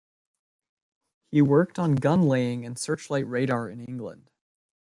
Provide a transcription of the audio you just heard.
He worked on Gun Laying and Searchlight Radar in England.